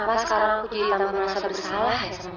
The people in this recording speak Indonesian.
gara gara aku dia harus mengorbankan hatinya